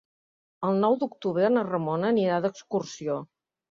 El nou d'octubre na Ramona anirà d'excursió.